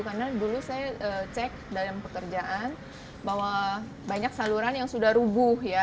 karena dulu saya cek dalam pekerjaan bahwa banyak saluran yang sudah rubuh ya